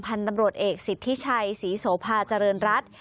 พันธุ์ตำรวจเอกสิทธิชัยศรีโสภาเจริญรัฐ